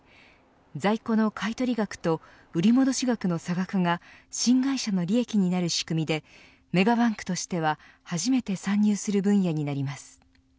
在庫の買い取り額と売り戻し額の差額が新会社の利益になる仕組みでメガバンクとしては初めて参入する分野になります。